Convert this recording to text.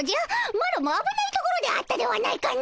マロもあぶないところであったではないかの。